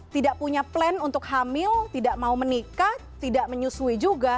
tidak punya plan untuk hamil tidak mau menikah tidak menyusui juga